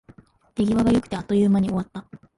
手際が良くて、あっという間に終わった